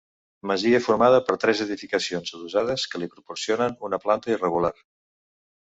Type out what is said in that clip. Masia formada per tres edificacions adossades que li proporcionen una planta irregular.